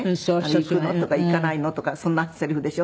「行くの」とか「行かないの」とかそんなセリフでしょ。